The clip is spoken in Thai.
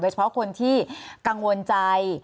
เฉพาะคนที่กังวลใจ